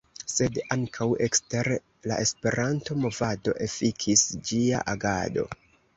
Sed ankaŭ ekster la Esperanto-movado efikis ĝia agado.